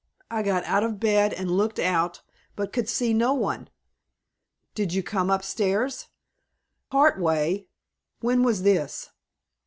I got out of bed, and looked out, but could see no one." "Did you come up stairs?" "Part way." "When was this?"